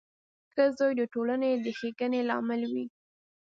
• ښه زوی د ټولنې د ښېګڼې لامل وي.